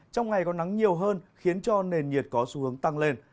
trong ngày có nắng nhiều hơn khiến cho nền nhiệt có xu hướng tăng lên